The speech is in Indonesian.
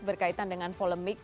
berkaitan dengan polemik